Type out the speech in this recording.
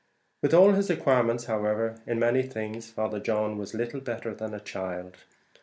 With all his acquirements, however, in many things Father John was little better than a child.